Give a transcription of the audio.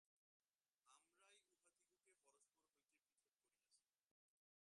আমরাই উহাদিগকে পরস্পর হইতে পৃথক করিয়াছি।